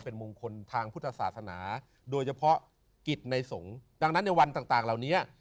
เป็นมงคลทางพุทธศาสนาโดยเฉพาะกิจในสงฆ์ดังนั้นในวันต่างเหล่านี้